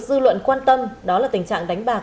dư luận quan tâm đó là tình trạng đánh bạc